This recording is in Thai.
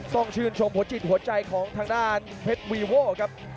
ต้องชื่นชมหัวจิตหัวใจของทางด้านเพชรวีโว่ครับ